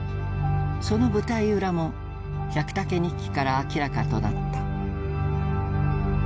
その舞台裏も「百武日記」から明らかとなった。